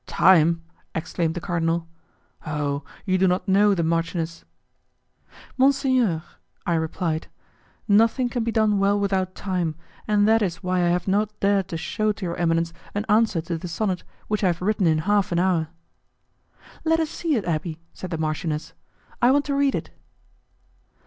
"Time?" exclaimed the cardinal; "Oh! you do not know the marchioness." "Monsignor," I replied, "nothing can be done well without time, and that is why I have not dared to shew to your eminence an answer to the sonnet which I have written in half an hour." "Let us see it, abbé," said the marchioness; "I want to read it."